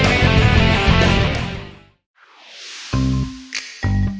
ใช่ไหมที่โลก๒ใบ